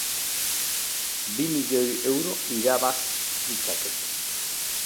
Bi milioi euro irabaz ditzaket.